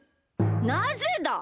なぜだ！